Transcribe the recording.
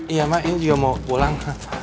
iya mak ini juga mau pulang